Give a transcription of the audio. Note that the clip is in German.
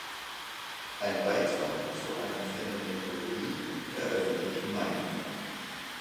Ein Beitrag zu einer Phänomenologie der öffentlichen Meinung.